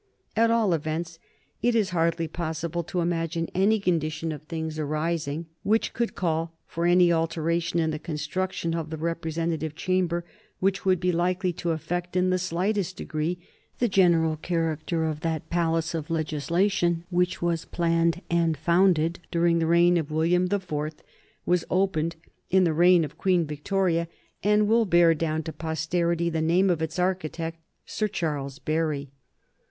At all events, it is hardly possible to imagine any condition of things arising which could call for any alteration in the construction of the representative chamber which would be likely to affect, in the slightest degree, the general character of that palace of legislation which was planned and founded during the reign of William the Fourth, was opened in the reign of Queen Victoria, and will bear down to posterity the name of its architect, Sir Charles Barry.